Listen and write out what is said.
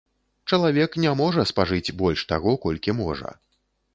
Чалавек не можа спажыць больш таго, колькі можа.